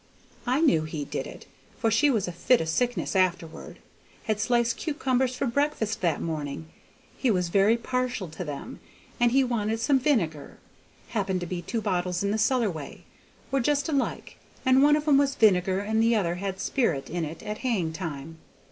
I knew he did it, for she had a fit o' sickness afterward. Had sliced cucumbers for breakfast that morning; he was very partial to them, and he wanted some vinegar. Happened to be two bottles in the cellar way; were just alike, and one of 'em was vinegar and the other had sperrit in it at haying time.